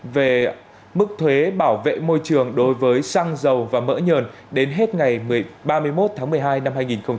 về mức thuế bảo vệ môi trường đối với xăng dầu và mỡ nhờn đến hết ngày ba mươi một tháng một mươi hai năm hai nghìn hai mươi